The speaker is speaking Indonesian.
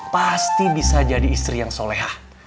pasti bisa jadi istri yang solehah